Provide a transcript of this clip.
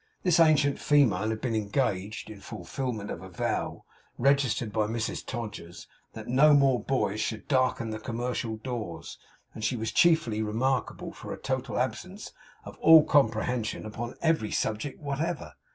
This ancient female had been engaged, in fulfillment of a vow, registered by Mrs Todgers, that no more boys should darken the commercial doors; and she was chiefly remarkable for a total absence of all comprehension upon every subject whatever.